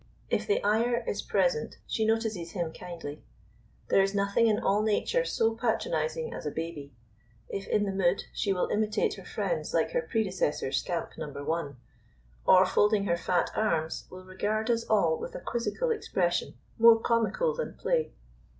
If the Iyer is present, she notices him kindly: there is nothing in all nature so patronising as a baby. If in the mood, she will imitate her friends like her predecessor Scamp No. 1; or folding her fat arms will regard us all with a quizzical expression more comical than play.